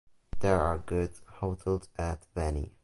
There are good hotels at Vani.